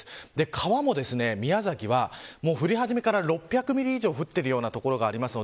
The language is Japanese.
川も宮崎は降り始めから６００ミリ以上降っているような所もあります。